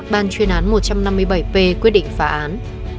ban chuyên án một trăm năm mươi bảy p quyết định phá án